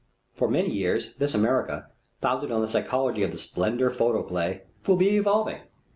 For many years this America, founded on the psychology of the Splendor Photoplay, will be evolving.